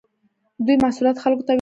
دوی محصولات خلکو ته ورپېژني.